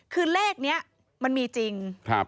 คือเลขนี้มันมีจริง